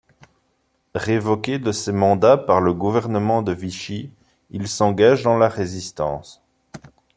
Révoqué de ses mandats par le gouvernement de Vichy, il s'engage dans la Résistance.